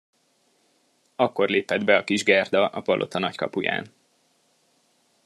Akkor lépett be a kis Gerda a palota nagy kapuján.